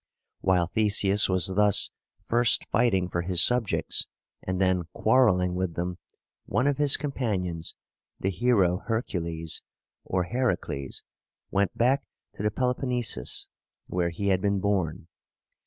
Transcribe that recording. While Theseus was thus first fighting for his subjects, and then quarreling with them, one of his companions, the hero Her´cu les (or Her´a cles) went back to the Peloponnesus, where he had been born.